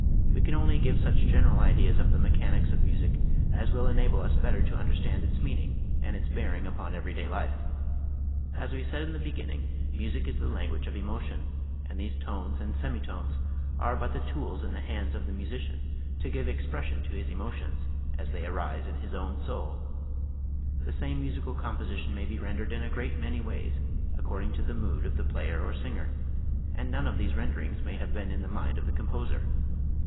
We can only give such general ideas of the mechanics of music as will enable us better to understand its meaning and its bearing upon everyday life. As we said in the be ginning, music is the language of emotion, and these tones and semitones are but the tools in the hands of the musician to give /~ j , Original from :{<~ UNIVERSITY OF WISCONSIN 90 nature's Airacles. expression to his emotions as they arise in his own soul. The same musical composition may be rendered in a great many ways, ac cording to the mood of the player or singer, and none of these renderings may have been in the mind of the composer.